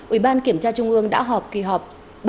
ủy ban kiểm tra trung ương đã họp kỳ họp ba mươi hai